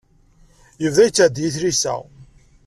Yuba yettɛeddi i tlisa.